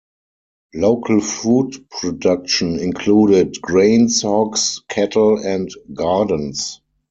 Local food production included grains, hogs, cattle, and gardens.